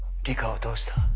里香をどうした？